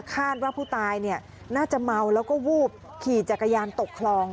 คาดว่าผู้ตายน่าจะเมาแล้วก็วูบขี่จักรยานตกคลอง